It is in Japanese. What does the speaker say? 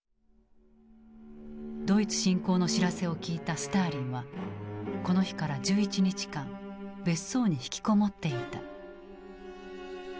ドイツ侵攻の知らせを聞いたスターリンはこの日から１１日間別荘に引きこもっていた。